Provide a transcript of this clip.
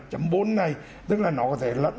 pa bốn này tức là nó có thể